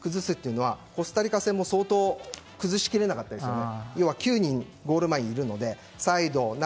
引いた相手に対して崩すっていうのはコスタリカ戦も相当崩しきれなかったですよね。